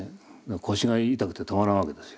腰が痛くてたまらんわけですよ。